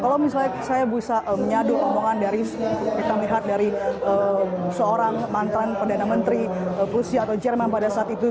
kalau misalnya saya bisa menyadu omongan dari kita melihat dari seorang mantan perdana menteri rusia atau jerman pada saat itu